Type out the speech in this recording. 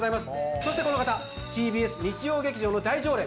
そしてこの方ＴＢＳ日曜劇場の大常連